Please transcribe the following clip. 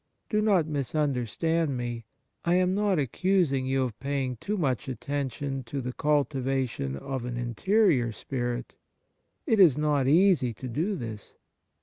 Do not mis understand me. I am not accusing you of paying too much attention to the cultiva tion of an interior spirit. It is not easy to do this.